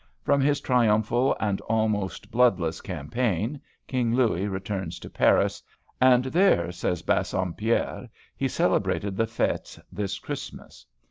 From his triumphal and almost bloodless campaign, King Louis returns to Paris, "and there," says Bassompierre, "he celebrated the fêtes this Christmas."